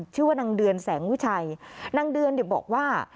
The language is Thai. ชื่อนางเดือนแสงวิชัยนางเดือนบอกว่า